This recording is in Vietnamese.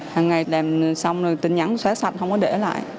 hằng ngày làm xong rồi tin nhắn xóa sạch không có để lại